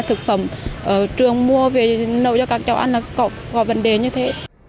thực phẩm ở trường mua về nấu cho các chậu ăn là có vấn đề như thế